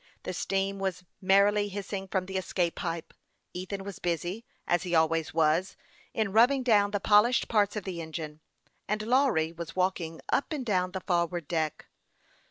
The steam, was merrily hissing from the escape pipe ; Ethan was busy, as he always was, in rubbing down the polished parts of the engine, and Lawry was walking up and down the forward deck.